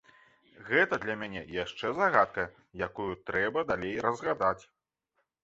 Гэта для мяне яшчэ загадка, якую трэба далей разгадваць.